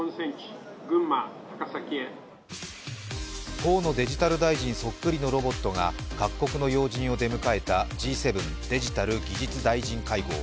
河野デジタル大臣そっくりのロボットが各国の要人を出迎えたＧ７デジタル・技術大臣会合。